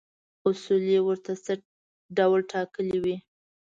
اصول یې ورته څه ډول ټاکلي وي.